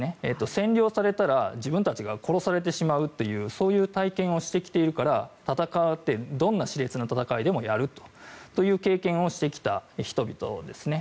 占領されたら自分たちが殺されてしまうというそういう体験をしてきているからどんな熾烈な戦いでもやるという経験をしてきた人々ですね。